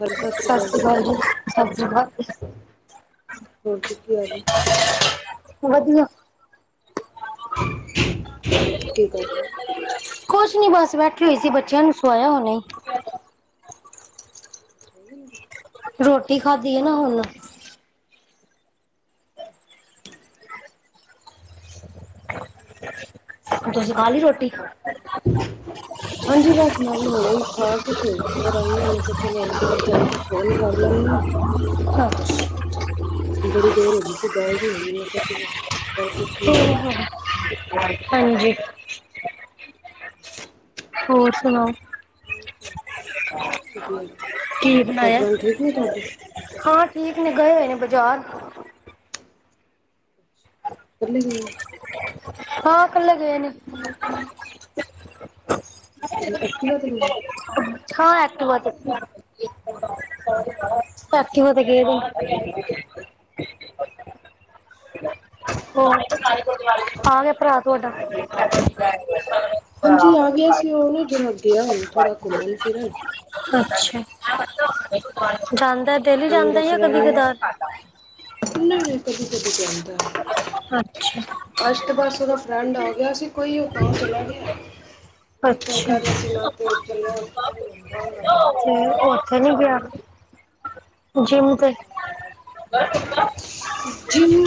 ਹਾਂਜੀ ਸਤਿ ਸ਼੍ਰੀ ਅਕਾਲ ਸਾਸਰੀਕਾਲ ਜੀ, ਸਾਸਰੀਕਾਲ ਜੀ ਹੋ ਚੁੱਕੀ ਅੱਜ ਵਧੀਆ ਠੀਕ ਆ ਜੀ ਕੁਛ ਨੀ ਬਸ ਬੈਠੀ ਹੋਈ ਸੀ, ਬੱਚਿਆਂ ਨੂੰ ਸਵਾਇਆ ਹੁਣੇ ਹੀ। [inaudible] ਰੋਟੀ ਖਾਧੀ ਹੈ ਨਾ ਹੁਣ [inaudible] ਤੁਸੀਂ ਖਾ ਲਈ ਰੋਟੀ ਹਾਂਜੀ ਬਸ ਮੈਂ ਵੀ ਹੁਣੇ ਖਾ ਕੇ ਤੇ ਉੱਪਰ ਆਈ ਹਾਂ। ਮੈਂ ਕਿਹਾ ਚਲ ਹੁਣ ਉੱਪਰ ਚੱਲ ਕੇ ਫੋਨ ਕਰ ਲੈਨੇ ਹਾਂ। [inaudible] ਬੜੀ ਦੇਰ ਹੋ ਗਈ ਸੀ ਗੱਲ ਨਹੀਂ ਹੋਈ ਮੈਂ ਕਿਹਾ ਚਲੋ ਚੱਲ ਪੁੱਛ ਲਈਏ ਹਾਂਜੀ ਹੋਰ ਸੁਣਾਓ ਕੀ ਬਣਾਇਆ ਹਸਬੈਂਡ ਠੀਕ ਨੇ ਤੁਹਾਡੇ ਹਾਂ ਠੀਕ ਨੇ ਗਏ ਹੋਏ ਨੇ ਬਜ਼ਾਰ ਕਰਲੇ ਗਈ ਹਾਂ ਇਕੱਲੇ ਗਏ ਨੀ ਐਕਟਟੀਵਾ ਆ ਤੇ ਹਾ ਐਕਟੀਵਾ ਤੇ ਐਕਟੀਵਾ ਤੇ ਗਏ [inaudible] ਆ ਗਿਆ ਭਰਾ ਤੁਹਾਡਾ [inaudible] ਅੱਛਾ ਹਾਂਜੀ ਆ ਗਿਆ ਸੀ ਉਹ ਨਾ ਜਰਾ ਗਿਆ ਹੁਣ ਥੋੜਾ ਘੁੰਮਣ ਫਿਰਨ [unintelligible] ਜਾਂਦੈ [unintelligible] ਲੀ ਕੋਈ ਜਾਂਦਾ ਉਹਦਾ ਜਾਂ ਕਦੀ ਫਰੈਂਡ ਕਧਾਰ [unintelligible] ਕਦੀ ਕਦੀ ਅੱਛਾ ਜਾਨਦੈ ਅਸ਼ਤ ਬਾਸ ਉਹਦਾ ਫਰੈਂਡ ਆ ਗਿਆ ਸੀ ਕੋਈ ਉਹ ਤਾਂ ਚਲਾ ਗਿਆ ਅੱਛਾ [inaudible] ਤੇ ਉੱਥੇ ਨੀ ਗਿਆ ਫਿਰ ਜਿੰਮ ਤੇ ਫੋਨ ਆ ਜਿਮ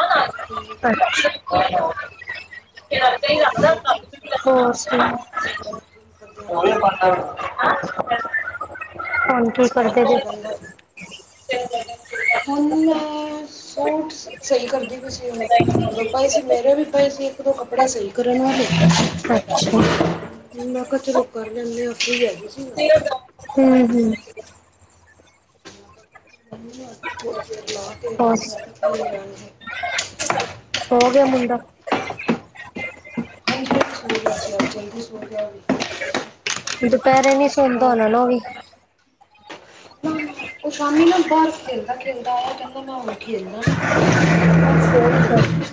ਪੰਦਰਾਂ ਵੀਹ ਦਿਨ [inaudible] [inaudible] ਨਹੀਂ ਜਾਣਾ ਗਰਮੀ ਜ਼ਿਆਦਾ ਹੋਈ ਦੀ ਹੈ ਤੇ ਬਾਅਦ ਫਿਰ ਸੀ ਵਗੈਰਾ ਨਹੀਂ ਹੈਗਾ ਨਾ ਫਿਰ ਜਿਮ ਕਰਦਿਆਂ ਜ਼ੋਰ ਵੀ ਲੱਗਦਾ ਹੁਣ ਕੀ ਇਸ ਕਰਦੇ ਕਰਕੇ ਜੈ ਉਹ ਕਹਿੰਦਾ ਫਿਰ ਹੁਣ ਮੈਂ ਸੂਟ ਸਹੀ ਕਰਦੀ ਪਈ ਸੀ, ਉਹ ਮਤ ਪਏ ਸੀ ਮੇਰੇ ਵੀ ਪਏ ਸੀ ਇੱਕ ਦੋ ਕੱਪੜੇ ਸਹੀ ਕਰਨ ਵਾਲੇ ਅੱਛਾ ਮੈਂ ਕਿਹਾ ਚਲੋ ਕਰ ਲੈਂਨੇ ਹਾਂ, ਫ੍ਰੀ ਹੈਗੀ ਸੀਗੀ ਨਾ [unintelligible] [unintelligible] ਸਹੋ ਗਿਆ ਮੁੰਡਾ ਦੁਪਹਿਰੇ ਨੀ [unintelligible] [unintelligible] ਨਾ ਨਾ [unintelligible] ਉਹ ਸ਼ਾਮੀ ਨਾ ਬਾਹਰ ਖੇਲਦਾ ਖੇਲਦਾ ਆਇਆ ਕਹਿੰਦਾ ਮੈਂ ਹੁਨ ਖੇਲਨਾ ਅਛ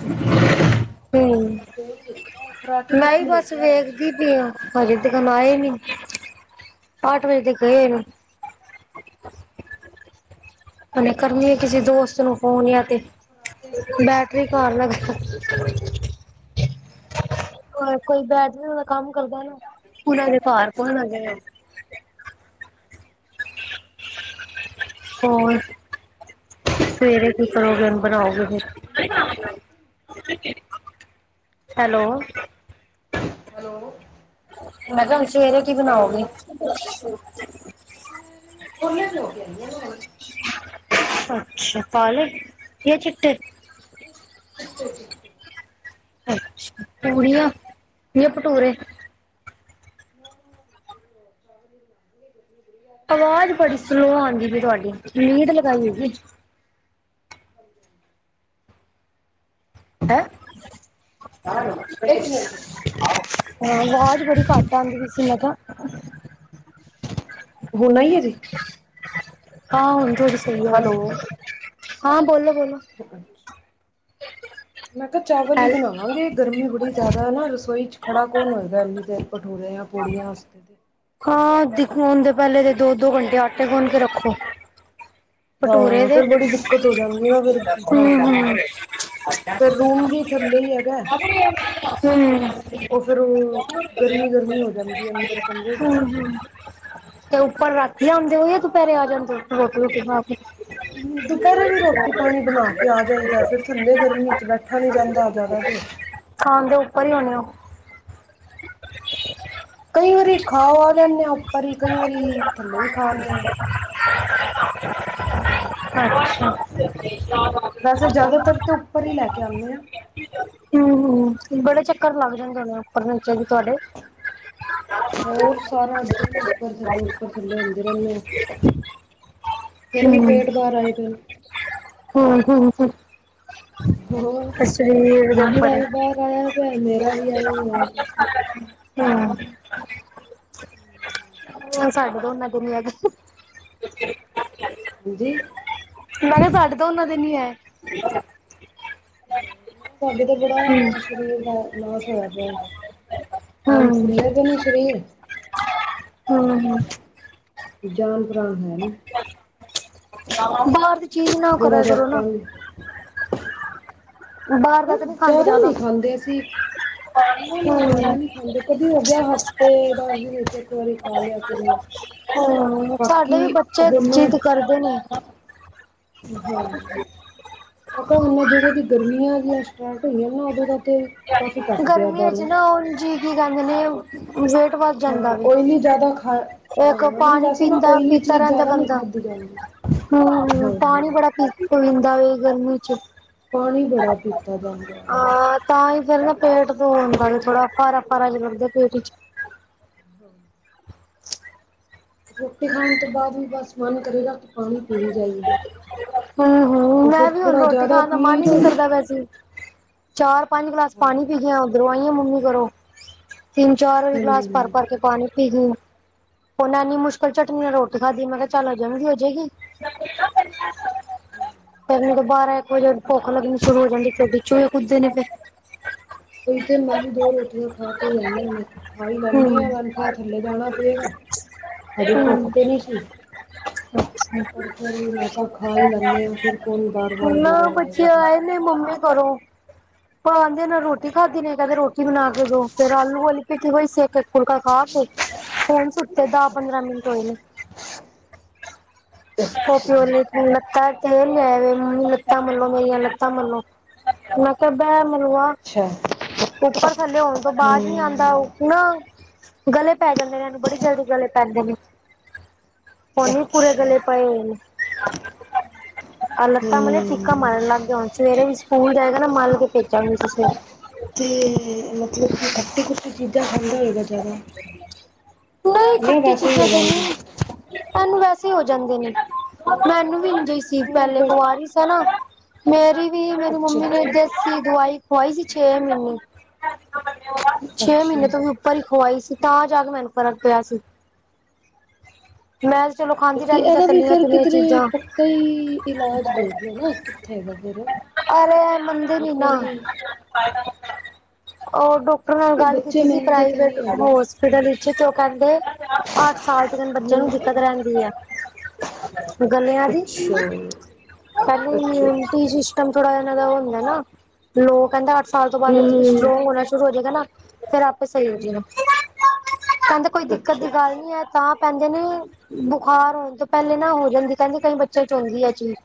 ਹਮ ਉਹਨੂੰ ਫੋਨ ਦਿੱਤਾ ਉਹ ਫਰਾਟੇ ਦੇ [unintelligible] ਅੱਗੇ ਬਸ ਲੇਟਿਆ ਹੋਇਆ ਸੀ ਵੇਖਦੀ ਹਜੇ ਤੇ ਕਾਨ ਆਏ ਨੀ ਅੱਠ ਵਜੇ ਦੇ ਗਏ ਨੇ ਹੁਨੇ ਕਰਨੀ ਆ ਕਿਸੇ ਦੋਸਤ ਨੂੰ ਫੋਨ ਯ ਤੇ ਫਰਾਟੇ ਅੱਗੇ ਬੈ [unintelligible] [unintelligible] ਹੋਰ ਸਵੇਰੇ ਕੀ ਕਰੋ ਗੇ ਬਨਾਓਗੇ ਫਿਰ [unintelligible] ਹੈਲੋ [unintelligible] ਹੈਲੋ ਮੈਂ ਕਿਹਾ ਹੁਨ ਸਵੇਰੇ ਕੀ ਬਨਾਓਗੇ ਹੈਲੋ ਹੁਨ [unintelligible] [unintelligible] ਅੱਛਾ ਕਾਲੇ ਯਾ ਚਿੱਟੇ [unintelligible] [unintelligible] ਅੱਛਾ ਪੂਰੀਆਂ ਯਾ ਭਟੂਰੇ [unintelligible] ਬੜੀ ਜ਼ਿਆਦਾ ਹੈ ਕੌਣ ਆਵਾਜ਼ ਖੜਾ ਬੜੀ ਸਲੋ ਹੋਏਗਾ ਆਉਂਦੀ ਪਈ ਇੱਕ ਤੁਹਾਡੀ ਲੀਡ ਲਗਾਈ ਏ ਕੀ [unintelligible] ਹੈਂ [unintelligible] [unintelligible] ਹਮ ਮਿੰਟ ਆਵਾਜ਼ ਬੜੀ ਘੱਟ ਆਂਦੀ ਪਈ ਸੀ ਮੈਂ ਕਯਾ ਹੋਨ [unintelligible] ਹਾਂ ਹੁਨ ਥੋਡੀ ਸਹੀ ਗਾਲ ਏ ਹੈਲੋ ਹਾਂ ਬੋਲੋ ਬੋਲੋ [unintelligible] ਮੈਂ ਕਾ ਚਾਵਲ ਹੀ ਹੈਲ ਬਨਾਵਾਂਗੇ ਗਰਮੀ ਬੜੀ ਜ਼ਿਆਦਾ ਨਾ ਰਸੋਈ ਚ ਖੜਾ ਕੌਣ ਹੋਏਗਾ ਇੰਨੀ ਦੇਰ ਭਠੂਰੇ ਯਾਂ ਪੂੜੀਆਂ ਆਸਤੇ ਹਾਂ ਦੇਖੋ ਹਦੇ ਪਹਿਲੇ ਦੋ ਦੋ ਘੰਟੇ ਆਟੇ ਗੁਨ ਕੇ ਰੱਖੋ ਭਟੂਰੇ ਹਾਂ ਦੇ ਫੇਰ ਬੜੀ ਦਿੱਕਤ ਹੋ ਜਾਂਦੀ ਨਾ ਫਿਰ ਹਾਂ ਹਮ ਹਮ ਫਿਰ ਰੂਮ ਵੀ ਥੱਲੇ ਹੀ ਹੈਗਾ ਹਮ ਹਮ [inaudible] ਉਹ ਫੇਰ ਗਰਮੀ ਗਰਮੀ ਹੋ ਜਾਂਦੀ ਏ ਅੰਦਰ ਕਮਰੇ ਚ ਨਾ ਹਮ ਤੇ ਉੱਪਰ ਰਾਤੀ ਆਂਦੇ ਹੋ ਯਾ ਦੁਪਹਿਰੇ ਆ ਜਾਂਦੇ ਹੋ ਰੋਟੀ ਰੁਟੀ ਬਨਾ ਕੇ ਦੁਪਹਿਰੇ ਵੀ ਰੋਟੀ ਪਾਨੀ ਬਨਾ ਕੇ ਆ ਜਾਈਦਾ ਫੇਰ ਥੱਲੇ ਗਰਮੀ ਚ ਬੈਠਾ ਨੀ ਜਾਂਦਾ ਜ਼ਆਦਾ ਦੇਰ ਖਾਣ ਦੇ ਉੱਪਰ ਹੀ ਹੋਣੇ ਹੋ [inaudible] ਕਈ ਵਾਰੀ ਖਵਾ ਦਿੰਦੇ ਹਾਂ ਉੱਪਰ ਵੀ ਕਈ ਵਾਰੀ ਥੱਲੇ ਵੀ। ਖਾ [inaudible] ਹਾਂਜੀ। ਅੱਛਾ ਵੈਸੇ ਜਿਆਦਾਤਰ ਤੇ ਉੱਪਰ ਹੀ ਲੈ ਕੇ ਆਉਂਦੀ ਹਾਂ। ਹੂੰ- ਹੂੰ ਬੜੇ ਚੱਕਰ ਲੱਗ ਜਾਂਦੇ ਨੇ ਉੱਪਰ ਨੀਚੇ ਤੁਹਾਡੇ ਹੋਰ ਸਾਰਾ ਦਿਨ ਉੱਪਰ ਥੱਲੇ ਉੱਪਰ ਥੱਲੇ ਹੁੰਦੇ ਰਹਿੰਦੇ ਆਂ। ਫਿਰ ਵੀ ਪੇਟ ਬਾਹਰ ਆਇਆ ਪਿਆ। ਹੋਰ ਤੋ ਉਪਰ ਹੋਰ ਹਾਂ ਸਰੀਰ ਦੇ ਮੰਮੀ ਉੱਪਰ ਦਾ ਏ। ਵੀ ਬਾਹਰ ਆਇਆ ਪਿਆ ਮੇਰਾ ਵੀ ਐਵੇਂ ਹੀ ਹੋਇਆ ਪਿਆ ਹੂੰ। ਉਹ ਸਾਡੇ ਦੋਨਾ ਦੁਨੀਆਂ ਦੀ ਹਾਂਜੀ। ਮੈਂ ਕਿਹਾ ਤੁਹਾਡੇ ਦੋਨਾ ਦੀ ਨੀ ਹੈ। ਉਹ ਸਾਡੇ ਤੇ ਹੂੰ ਬੜਾ ਸਰੀਰ ਦਾ ਲੋਸ ਹੋਇਆ ਪਿਆ, [unintelligible] ਹੂੰ ਫੁੱਲਿਆ ਕੋਈ ਨੀਂ ਸ਼ਰੀਰ ਹਾਂ, ਹਾਂ। ਜਾਨ ਭਰਾ [unintelligible] ਬਾਰ ਦੀ ਚੀਜ਼ ਨਾ ਥੋੜਾ ਕਰੇਯਾ ਜਿਹਾ ਕਰੋ ਨਾ। ਕੰਮ ਬਾਹਰ ਦਾ ਬਸ ਤਾਂ ਨਹੀਂ ਖਾਂਦੇ ਜਾਦਾ ਜ਼ਿਆਦਾ ਨੀ ਖਾਂਦੇ ਅਸੀਂ, ਨਾ- ਨਾ ਜਾਦਾ ਹੂੰ ਨੀ ਹਾਂ ਦੀ ਕਦੀ ਹੋ ਗਿਆ ਹਫ਼ਤੇ ਦਾ [unintelligible] ਖਾ ਲਿਆ ਤੁਹੀ? ਬਾਕੀ ਹੁਣ। ਬਨ [unintelligible] ਠੀ ਗਲ ਏ। ਮੈ ਕਾ ਹੁਨ, ਜਦੋਂ ਦੀ ਗਰਮੀਆਂ ਸ਼ੁਰੂ ਹੋਈਆਂ [unintelligible] ਨੇ ਨਾ, ਔਦੋਂ ਤੋ। ਗਰਮੀਆਂ ਚ ਨਾ ਔਜੀ ਕੀ ਕੈਂਦੇ ਨੇ। ਵੇਟ ਵੱਧ ਹਾਂ ਜਾਂਦਾ ਵੇ। ਓਇਲੀ ਜ਼ਿਆਦਾ ਖਾ ਹਾਂ ਇਕ ਨਹੀਂ ਪਾਣੀ ਵੈਸੇ ਨਾ ਪੀਦਾ- ਓਇਲੀ ਪੀਦਾ ਚੀਜ਼ ਰਹਿੰਦਾ ਜ਼ਿਆਦਾ ਨਹੀਂ ਬੰਦਾ, ਖਾਧੀ ਜਾਂਦੀ। ਹੂੰ ਹਾਂ। ਪਾਣੀ ਬੜਾ ਪੀ ਉਹ ਹੁੰਦਾ ਵੀ ਗਰਮੀ 'ਚ ਪਾਣੀ ਬੜਾ ਪੀਤਾ ਜਾਂਦਾ ਹੈ। ਹਾਂ ਤਾਂ ਹੀ ਫਿਰ ਨਾ ਪੇਟ ਤੋਂ ਹੁੰਦਾ ਥੋੜਾ ਭਾਰਾ- ਭਾਰਾ ਲ ਕਰਦੇ ਪੇਟ 'ਚ [inaudible] ਰੋਟੀ ਖਾਨ ਤੋ ਬਾਦ ਵੀ ਬਸ ਮਨ ਕਰੇਗਾ ਕੀ ਪਾਣੀ ਪੀਵੀ ਜਾਈਏ। ਹੂੰ- ਹੂੰ, ਉਹ ਫਿਰ ਮੈ ਵੀ ਹੁਣ ਥੋੜਾ ਰੋਟੀ ਜ਼ਿਆਦਾ ਖਾਣ ਦਾ ਮਨ ਪੀ ਹੀ ਨਹੀ ਲਓ ਕਰਦਾ, ਵੈਸੇ ਚਾਰ ਪੰਜ ਗਲਾਸ ਹਾਂ। ਪਾਣੀ ਪੀ ਕੇ ਆ ਹਾਂਜੀ ਉਧਰੋਂ, ਆਈਆਂ ਮੰਮੀ ਘਰੋ। ਤਿੰਨ- ਚਾਰ ਵਾਰੀ ਗਲਾਸ ਭਰ ਹਾਂਜੀ ਕਰਕੇ ਪਾਣੀ ਪੀ, ਉਹਨਾ ਇੰਨੀ ਮੁਸ਼ਕਿਲ ਚਟਨੀ ਨਾਲ ਰੋਟੀ ਖਾਧੀ ਮੈਂ ਕਿਹਾ ਚੱਲ ਹਜਮ ਵੀ ਹੋ ਜਾਏਗੀ। ਫਿਰ ਮਤਲਬ, ਬਾਰਾਂ ਇੱਕ ਵਜੇ ਭੁੱਖ ਲੱਗਣੀ ਸ਼ੁਰੂ ਹੋ ਜਾਂਦੀ, ਚੂਹੇ ਕੁੱਦਦੇ ਨੇ ਫੇਰ। ਕੋਈ ਤੇ, ਮੈ ਵੀ ਦੋ ਰੋਟੀਆਂ ਖਾ ਕੇ ਆਈਆਂ। ਆਈ ਜਾਂਦੀਆ ਵ, ਫੇਰ ਥੱਲੇ ਜਾਣਾ ਪਏਗਾ। ਹਜੇ ਭੁੱਖ ਤੇ ਹੂੰ ਨਹੀ ਸੀ, ਪਰ ਫਿਰ ਮ ਹੀ ਲੈਂਦੇ ਹਾਂ ਫਿਰ ਕੋਈ ਵਾਰ ਵਾਰ ਨਾ ਗੇੜੇ ਬੱਚੇ ਲਾਏਗਾ ਆਏ ਟੀਚਰ ਨੇ ਮੰਮੀ ਕਰੋ ਆਂਦੇ ਨੇ ਰੋਟੀ ਖਾਧੀ ਨੇ ਕਹਿੰਦੇ ਰੋਟੀ ਬਣਾ ਕੇ ਦੋ ਫੇਰ ਆਲੂ ਵਾਲੀ ਭਿੱਠੀ ਪਈ ਹੋਈ ਸੀ ਇੱਕ ਇੱਕ ਫੁਲਕਾ ਖਾ ਕੇ ਹੁਣ ਇਹ ਸੁੱਤਾ ਦੱਸ ਪੰਦਰਾਂ ਮਿੰਟ ਹੋਈਲੇ ਅੱਛਾ ਫਪੀ ਉਲੀ ਲੱਤਾਂ ਮਲੋ ਮੇਰੀਆਂ ਲੱਤਾਂ ਮਲੋ [unintelligible] ਅੱਛਾ ਉੱਪਰ ਥੱਲੇ ਹੋਨ ਤੋਂ ਬਾਜ਼ ਨੀ ਆਂਦਾ ਹੂੰ। ਨਾ ਗਲੇ ਪੈ ਜਾਂਦੇ ਨੇ ਏਹਨੂੰ ਬੜੀ ਜਲਦੀ ਗਲੇ ਪੈਂਦੇ ਨੇ [unintelligible] ਅ ਅੱਛਾ ਲੱਤਾ ਮਤੇ ਹਮ ਚੀਕਾ ਮਰਨ ਲੱਗ ਗਿਆ ਹੁਨ ਸਵੇਰੇ ਵੀ ਸਕੂਲ ਜਾਏਗਾ ਨਾ ਮਲ ਕੇ ਭੇਜਾ ਗੀ ਸਵੇਰੇ [unintelligible] ਤੇ ਮਤਲਬ ਕਿ ਖਟੀ ਖੁਟੀ ਚੀਜ਼ਾਂ ਖੰਦਾ ਹੋਏਗਾ ਜ਼ਿਆਦਾ [unintelligible] ਐਨੂੰ ਵੈਸੇ ਹੋ ਜਾਂਦੇ ਨੇ ਮੈਨੂੰ ਵੀ ਇਜੇ ਸੀ ਹਾਂ ਪਹਿਲੇ ਬਸ ਕੁਵਰੀ ਸ ਨਾ ਮੇਰੀ ਵੀ ਮੇਰੀ ਅੱਛਾ ਮੰਮੀ ਵ ਜ ਅੱਛਾ ਦਵਾਈ ਖਵਾਈ ਸੀ ਛੇ ਮਹੀਨੇ, ਛੇ ਮਹੀਨੇ ਅੱਛਾ ਤੋਂ ਵੀ ਇੱਕ ਵਾਰੀ ਖਵਾਈ ਸੀ, ਤਾਂ ਜਾ ਕੇ ਮੈਨੂੰ ਫਰਕ ਪਿਆ ਸੀ। ਮੈਂ ਚਲੋ ਖਾਂਦੀ ਰਹਿੰਦੀ ਸਾਂ ਇਹਦਾ ਵੀ ਤਲੀਆਂ ਫਿਰ ਤੁਲੀਆਂ ਕਿਧਰੇ ਚੀਜ਼ਾਂ ਪੱਕਾ ਹੀ ਇਲਾਜ ਦੇ ਦੇਖਲੋ ਨਾ। ਕਿਥੇ ਹੈਗਾ ਫੇਰ ਅਰੇ ਐ ਮੰਨਦੇ ਨੀ ਨਾ, ਉਹ ਡੋ ਆਉਦੇ ਨਾਲ ਉਹ ਗੱਲ ਬੱਚੇ ਕੀਤੀ ਸੀ ਮੰਨਦੇ ਤਾਂ ਪ੍ਰਾਈਵੇਟ ਨਹੀਂ ਹੈਗੇ ਹੋਸ। ਫਿਡਰ ਵਿੱਚ ਓ ਕੈਂਦੇ ਆਠ ਸਾਲ ਦੇ ਬੱਚਿਆਂ ਹਮ ਨੂੰ ਦਿੱਕਤ ਰੈਂਦੀ ਐ। ਗਲਿਆਂ ਦੀ ਅੱਛਾ ਪਹਿਲੀ ਅੱਛਾ ਅੱਛਾ [unintelligible] ਥੋੜ੍ਹਾ ਇਹਨਾਂ ਦਾ ਉਹ ਹੁੰਦਾ ਨਾ ਲੋਕ ਕਹਿੰਦੇ ਅੱਠ ਸਾਲ ਤੋਂ ਬਾਅਦ ਹਮ ਹੋਣਾ ਸ਼ੁਰੂ ਹੋ ਜਾਏਗਾ ਨਾ ਫੇਿਰ ਆਪੇ ਸਹੀ ਹੋ ਜਾਏ ਕਹਿੰਦਾ ਕੋਈ ਦਿੱਕਤ ਅੱਛਾ ਦੀ ਗੱਲ ਅੱਛਾ ਨਹੀਂ ਹੈ ਤਾਂ ਪਹਦਾ ਕ ਬੁਖਾਰ ਹੋਣ ਤੋਂ ਪਹਿਲੇ ਨਾ ਹੋ ਜਾਂਦੀ ਕਹਿੰਦੀ ਕਈ ਬੱਚਿਆਂ ਚ ਆਉਂਦੀ ਆ ਚੀਜ਼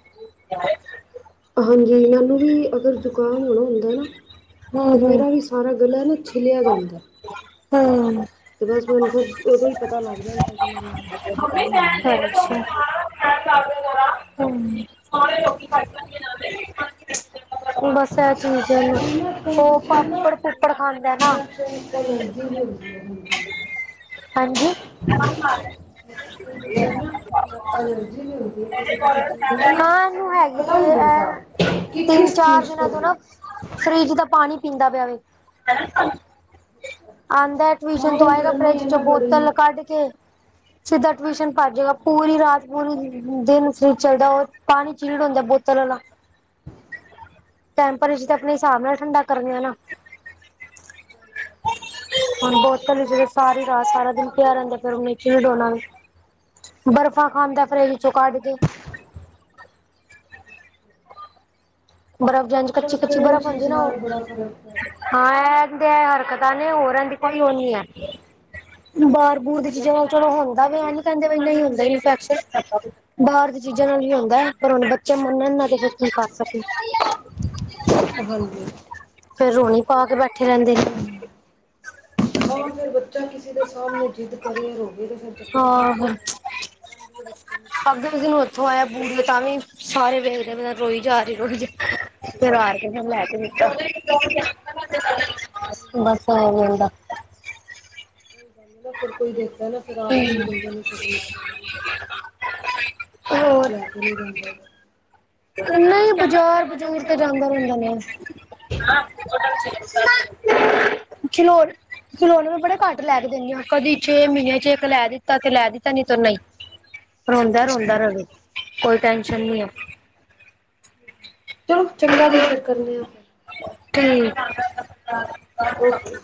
ਹਾਂਜੀ ਇਹ ਨੂੰ ਵੀ ਅਗਰ ਜੁਕਾਮ ਹੋਣਾ ਹੁੰਦਾ ਨਾ ਹੂੰ ਤੇ ਮੇਰਾ ਵੀ ਸਾਰਾ ਗਲਾ ਨਾ ਛਿੱਲਿਆ ਜਾਂਦਾ ਹਮ ਤੇ ਬਸ ਮੈਨੂੰ ਫ ਓਦੋਂ ਹੀ ਪਤਾ ਲੱਗ ਜਾਂਦਾ ਕਿ ਜ਼ੁਕਾਮ ਹੋਣ ਲੱਗਾ ਹਾਂ ਬਸ ਇਹ ਚੀਜ਼ ਹੈ ਨਾ ਕਈ ਉਹ ਬੱਚੇ ਨਾ ਪਾਪੜ ਪੁਪੜ ਖਾਂਦਾ ਨਾ ਇੰਫੈਕਸ਼ਨ ਐਲਰਜੀ ਵੀ ਹੁੰਦੀ ਹੈ ਹਾਂਜੀ। ਹਾਂਜੀ ਐਲਰਜੀ ਵੀ ਹੁੰਦੀ ਕਿਸੇ ਕਿਸੇ ਚੀਜ਼ ਇਹਨੂੰ ਸਾਨੂੰ ਨਾ ਪਤਾ ਹੈਗੀ ਨ ਲੱਗਦਾ ਕਿਸ ਚੀਜ਼ ਇਹਨਾਂ ਤੋਂ ਨਾ ਫਰਿਜ ਦਾ ਪਾਣੀ ਪੀਂਦਾ ਪਿਆ ਵੀ ਆਉਂਦਾ ਟਵਿਸ਼ਨ ਹਾਂ ਤੋਂ ਵਾ ਆਏਗਾ ਗਰਮੀ ਫਰਿਜ ਹੈ ਚ ਨਾ ਬੜੀ ਬੋਤਲ ਕੱਢ ਕੇ ਸਿੱਧਾ ਟਿਊਸ਼ਨ ਭਰਜੇਗਾ ਪੂਰੀ ਰਾਤ ਪੂਰੀ ਦਿਨ ਫ ਚੱਲਦਾ ਉਹ ਪਾਣੀ ਚੀ ਹੁੰਦਾ ਬੋਤਲ ਵਾਲ ਟੈਂਪਰੇਚਰ ਤੇ ਆਪਣੇ ਹਿਸਾਬ ਨਾਲ ਠੰਡਾ ਕਰ ਨਾ ਹਣ ਬਹੁ ਲੇ ਜ ਸਾਰੀ ਰਾਤ ਸਾਰਾ ਦਿਨ ਪਿਆ ਰਹਿੰ ਫਿਰ ਉਹਨੇ ਚਿਲਡ ਹੋਣਾ ਬਰਫ਼ਾਂ ਖਾਂਦਾ ਫਰਜ਼ੋਂ ਕੱਢ ਕੇ ਬਰਫ਼ ਖਾਣ ਚ ਹਾਂ ਕੱਚੀ ਬਸ ਫਿਰ ਕੱਚੀ ਉਹ ਬਰਫ਼ ਚੀਜ਼ ਹੁੰਦੀ ਨਾ ਨਾਲ ਬੜਾ ਫ਼ਰਕ ਪੈ ਉਹ ਹਾਂ ਇਹਦੇ ਹਰਕਤਾਂ ਨੇ ਹੋਰ ਰਹ ਦੀ ਕੋਈ ਉਹ ਨ ਹੈ ਬਾਰ ਬੂਰ ਦੀ ਚੀਜ਼ਾਂ ਨਾਲ ਚਲੋ ਹੁੰਦਾ ਵੀ ਨ ਕਹਿੰਦੇ ਨਹੀਂ ਹੁੰਦਾ ਇਫੈਕਸ਼ਨ ਬਾਹਰ ਦੀ ਚੀਜ਼ਾਂ ਨਾਲ ਵੀ ਹੁੰਦਾ ਹੈ ਪਰ ਹੁਣ ਬੱਚਾ ਮੰਨਣ ਨਾ ਕੀ ਕਰ ਸਕੇ ਜਾਂਦਾ। ਹਾਂਜੀ ਫੇਰ ਰੂਣੀ ਪਾ ਕੇ ਬੈਠੇ ਰਹਿੰਦੇ ਨੇ ਹਮ ਹਾਂ ਫੇਿਰ ਬੱਚਾ ਕਿਸੇ ਦੇ ਸਾਹਮਣੇ ਜਿੱਦ ਕਰ ਰਿ ਰੋਵੇ ਤੇ ਫਿਰ ਵੀ ਚੰਗਾ ਨਹੀਂ ਲੱਗਦਾ ਲੱ ਕੇ ਜਾਦੀ ਤਾਂ ਵੀ ਪਬਲਿਕ ਨੂੰ ਉਥੋਂ ਆਇਆ ਤਾਂ ਵੀ ਸਾਰੇ ਵੇਖਦੇ ਪ ਰੋਈ ਜਾ ਰਹੀ ਰੋਈ ਜਾ ਬਸ ਇਧਰ ਲੈ ਕੇ ਆ ਗਈ ਆ ਨਿੱਕੇ ਨੂੰ ਕੋਈ ਗੱਲ ਨ ਨਾ ਫ਼ਿਰ ਕੋਈ ਦੇਖਦਾ ਨਾ ਫਿਰ ਆਪ ਨੂੰ ਵੀ ਬੰਦਿਆਂ ਨੂੰ ਸ਼ਰਮ ਆ ਜਾਣਗੀ ਕੁਛ ਹੋਰ ਲੈ ਕੇ ਵੀ ਜਾਂਦੇ ਆ ਨਹੀਂ ਬਾਜ਼ਾਰ ਬਜ਼ੂਰ ਤੇ ਜਾਂਦਾ ਰਹਿੰਦਾ ਨੇ ਖਿਲੋੌਨ, ਖਿਲੋੌਨੇ ਬੜੇ ਘੱਟ ਲੈ ਕੇ ਦੇਨੀ ਆਂ, ਕਦੀ ਛੇ ਮਹੀਨਿਆਂ ਚ ਇੱਕ ਲੈ ਦਿੱਤਾ ਤੇ ਲੈ ਦਿੱਤਾ ਨੀ ਤੇ ਨਈ। ਰੋਂਦਾ, ਰੋਂਦਾ ਰਵੇ, ਕੋਈ ਟੈਨਸ਼ਨ ਨੀ ਐ। ਚਲੋ ਚੰਗਾ ਜੀ ਫੇਰ, ਕਰਨੀ ਆ ਫੇਰ। ਠੀ ਓਕੇ